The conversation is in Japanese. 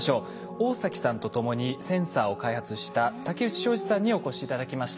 大崎さんと共にセンサーを開発した竹内昌治さんにお越し頂きました。